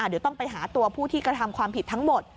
เดี๋ยวต้องไปหาตัวผู้ที่กระทำความผิดทั้งหมด